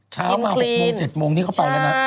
เช้ามา๖โมง๗โมงนี้เข้าไปแล้วนะ